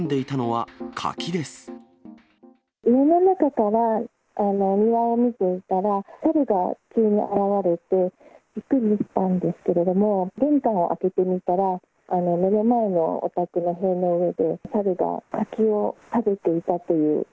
家の中から庭を見ていたら、猿が急に現れて、びっくりしたんですけれども、玄関開けてみたら、目の前のお宅の塀の上で猿が柿を食べていたという。